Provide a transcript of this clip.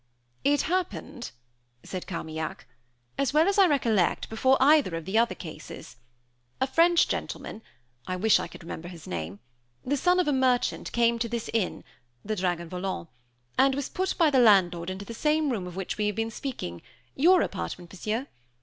"It happened," said Carmaignac, "as well as I recollect, before either of the other cases. A French gentleman I wish I could remember his name the son of a merchant, came to this inn (the Dragon Volant), and was put by the landlord into the same room of which we have been speaking. Your apartment, Monsieur.